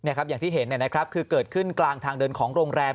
อย่างที่เห็นคือเกิดขึ้นกลางทางเดินของโรงแรม